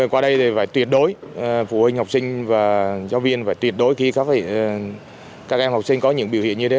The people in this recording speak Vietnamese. qua đây thì phải tuyệt đối phụ huynh học sinh và giáo viên phải tuyệt đối khi có các em học sinh có những biểu hiện như thế